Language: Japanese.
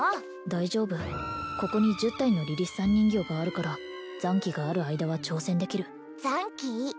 大丈夫ここに１０体のリリスさん人形があるから残機がある間は挑戦できる残機？